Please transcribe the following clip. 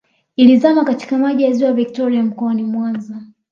Ilizama katika maji ya ziwa Victoria mkoani Mwanza